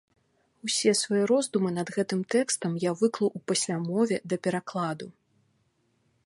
Усе свае роздумы над гэтым тэкстам я выклаў у паслямове да перакладу.